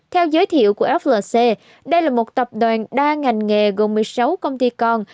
theo giới thiệu của flc đây là một tập đoàn đa ngành nghề gồm một mươi sáu công ty con